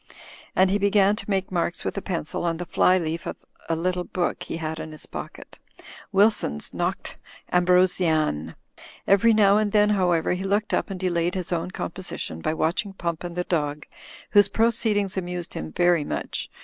And he began to make marks with a pencil on the fly leaf of a little book he had in his pocket — ^Wilson's Nodes Ambrosiana. Every now and then, however, he looked up and delayed his own composition by watching Pump and the dog, whose proceedings amused him very much.